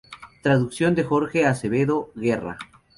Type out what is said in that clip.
Traducción de Jorge Acevedo Guerra.